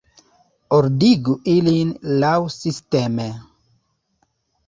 Ordigu ilin laŭsisteme.